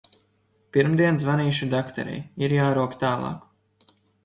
Pirmdien zvanīšu dakterei, ir jārok tālāk.